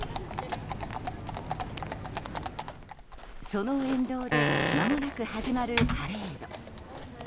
その沿道でまもなく始まるパレード。